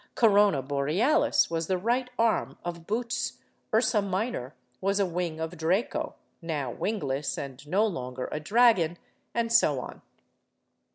Corona Borealis was the right arm of Bootes, Ursa Minor was a wing of Draco (now wingless, and no longer a dragon), and so on.